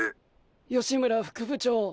吉村副部長。